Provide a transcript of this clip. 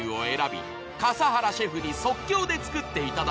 笠原シェフに即興で作っていただきます］